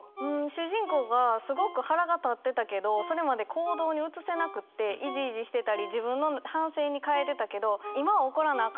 主人公がすごく腹が立ってたけどそれまで行動に移せなくっていじいじしてたり自分の反省に変えてたけど今は怒らなあ